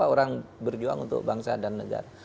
orang berjuang untuk bangsa dan negara